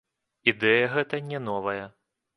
Ідэя гэта не новая.